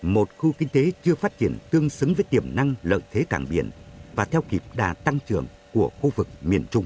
một khu kinh tế chưa phát triển tương xứng với tiềm năng lợi thế cảng biển và theo kịp đà tăng trưởng của khu vực miền trung